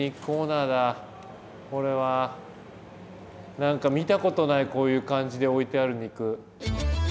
何か見たことないこういう感じで置いてある肉。